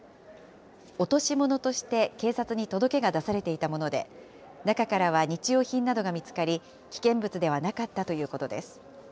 落とし物として警察に届けが出されていたもので、中からは日用品などが見つかり、危険物ではなかったということです。